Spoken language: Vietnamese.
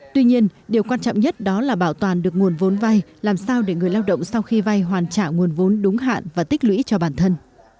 tuy nhiên điều quan trọng nhất đó là bảo toàn được nguồn vốn vay làm sao để người lao động sau khi vay hoàn trả nguồn vốn đúng hạn và tích lũy cho bản thân